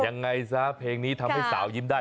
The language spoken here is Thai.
ยังไงซะเพลงนี้ทำให้สาวยิ้มได้